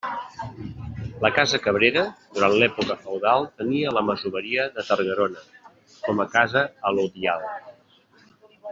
La casa Cabrera, durant l'època feudal tenia la masoveria de Targarona com a casa alodial.